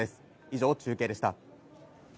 以上、中継でした。